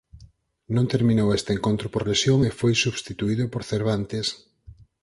Non terminou este encontro por lesión e foi substituído por Cervantes.